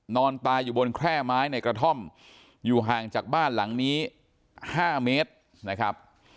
นอนตายอยู่บนแคร่ไม้ในกระท่อมอยู่ห่างจากบ้านหลังนี้๕เมตรนะครับ